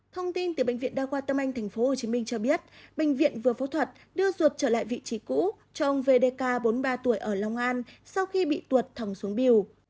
thông tin từ bệnh viện đa khoa tâm anh tp hcm cho biết bệnh viện vừa phẫu thuật đưa ruột trở lại vị trí cũ cho ông vdk bốn mươi ba tuổi ở long an sau khi bị tuột thỏng xuống biêu